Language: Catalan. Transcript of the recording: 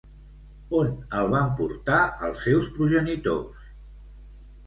On el van portar, els seus progenitors?